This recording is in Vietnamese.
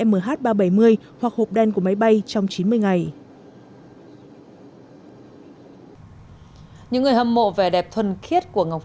mh ba trăm bảy mươi hoặc hộp đen của máy bay trong chín mươi ngày những người hâm mộ vẻ đẹp thuần khiết của ngọc